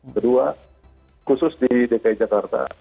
kedua khusus di dki jakarta